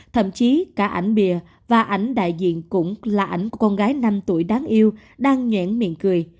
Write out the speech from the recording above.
thậm chí cả ảnh bìa và ảnh đại diện cũng là ảnh của con gái năm tuổi đáng yêu đang nhẽn miệng cười